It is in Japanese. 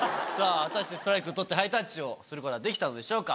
果たしてストライクを取ってハイタッチをすることができたのでしょうか？